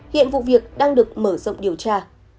hiện vụ việc đang được mở rộng điều tra